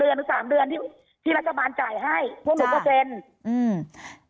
เดือนสามเดือนที่ที่รัฐบาลจ่ายให้พวกหนูก็เซ็นอืม